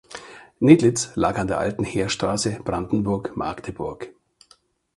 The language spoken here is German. Nedlitz lag an der alten Heerstraße Brandenburg–Magdeburg.